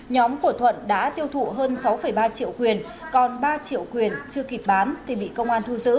nhóm của thuận đã tiêu thụ hơn sáu ba triệu quyền còn ba triệu quyền chưa kịp bán